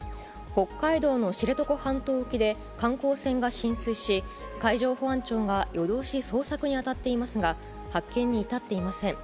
北海道の知床半島沖で観光船が浸水し、海上保安庁が夜通し捜索に当たっていますが、発見に至っていません。